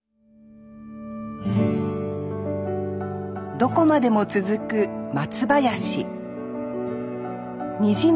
どこまでも続く松林